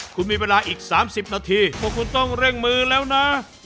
คุณมีเวลาอีก๓๐นาทีพวกคุณต้องเร่งมือแล้วนะ